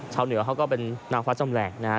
เหนือเขาก็เป็นนางฟ้าจำแหลกนะฮะ